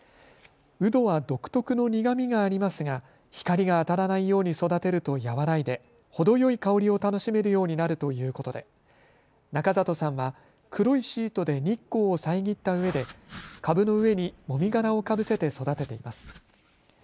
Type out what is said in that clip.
ウドは独特の苦みがありますが光が当たらないように育てると和らいでほどよい香りを楽しめるようになるということで中里さんは黒いシートで日光を遮ったうえで株の上にもみ殻をかぶせて育てています。